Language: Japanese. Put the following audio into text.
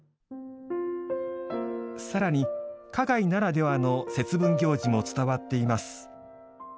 さらに、花街ならではの節分行事も伝わっています。